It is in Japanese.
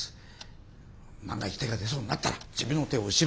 万が一手が出そうになったら自分の手を後ろに回す。